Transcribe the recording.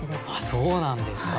そうなんですか。